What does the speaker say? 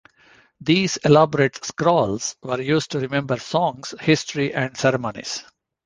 These elaborate scrolls were used to remember songs, history, and ceremonies.